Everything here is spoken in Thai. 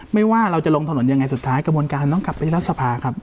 ไม่ว่าเราจะลงถนนยังไงสุดท้ายกระบวนการต้องกลับไปที่รัฐสภาครับ